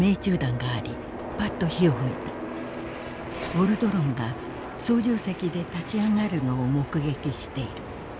「ウォルドロンが操縦席で立ちあがるのを目撃している。